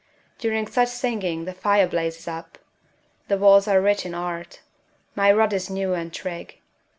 During such singing the fire blazes up. The walls are rich in art. My rod is new and trig.